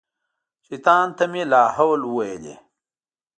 شیطان ته مې لا حول وویلې.